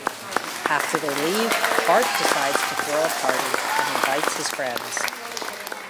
After they leave, Bart decides to throw a party and invites his friends.